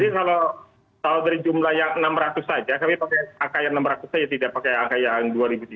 kalau dari jumlah yang enam ratus saja kami pakai angka yang enam ratus saja tidak pakai angka yang dua ribu tiga ratus